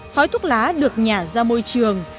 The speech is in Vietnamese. khói thuốc lá được nhả ra môi trường